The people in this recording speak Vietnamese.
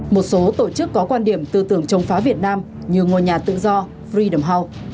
một số tổ chức có quan điểm tư tưởng chống phá việt nam như ngôi nhà tự do fridam house